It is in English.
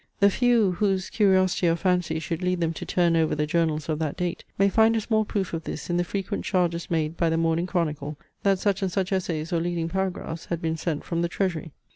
The few, whose curiosity or fancy should lead them to turn over the journals of that date, may find a small proof of this in the frequent charges made by the Morning Chronicle, that such and such essays or leading paragraphs had been sent from the Treasury.